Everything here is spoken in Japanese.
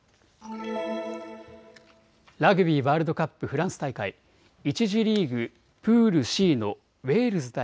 ラグビーワールドカップフランス大会、１次リーグ、プールＣのウェールズ対